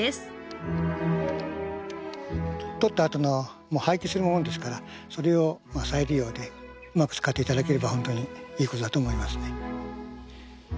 とったあとのもう廃棄するものですからそれを再利用でうまく使って頂ければホントにいい事だと思いますね。